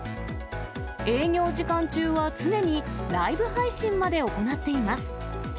営業時間中は常にライブ配信まで行っています。